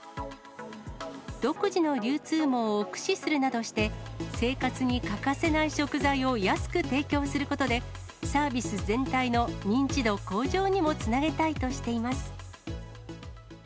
独自の流通網を駆使するなどして、生活に欠かせない食材を安く提供することで、サービス全体の認知度向上にもつなげたいとしています。